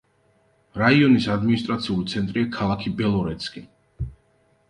რაიონის ადმინისტრაციული ცენტრია ქალაქი ბელორეცკი.